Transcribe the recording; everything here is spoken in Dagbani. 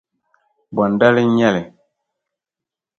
Bondali n-nyɛli?